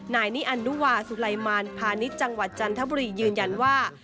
นายนิอันดุวาสุลัยมารพาณิชย์จังหวัดจันทบุรียืนยันว่า